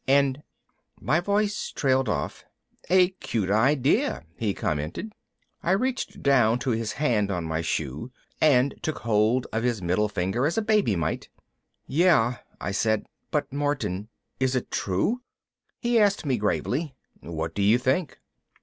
And...." My voice trailed off. "A cute idea," he commented. I reached down to his hand on my shoe and took hold of his middle finger as a baby might. "Yeah," I said, "But Martin, is it true?" He asked me gravely, "What do you think?"